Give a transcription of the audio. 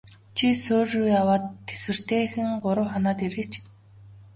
Чи суурь руу яваад тэсвэртэйхэн гурав хоноод ирээч.